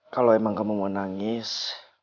kalau emang kamu mau nangis